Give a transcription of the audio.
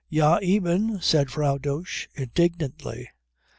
"Ja eben" said Frau Dosch indignantly.